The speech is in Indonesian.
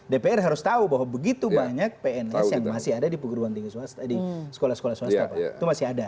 dpr harus tahu bahwa begitu banyak pns yang masih ada di sekolah sekolah swasta itu masih ada